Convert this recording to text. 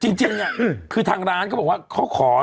หนึ่งก็จริงนี่คือทางร้านก็บอกว่า